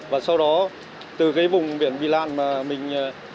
và sau đó từ cái vùng biển bị lạ mà mình